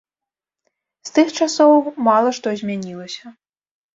З тых часоў мала што змянілася.